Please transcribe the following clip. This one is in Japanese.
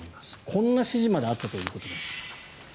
こんな指示まであったということです。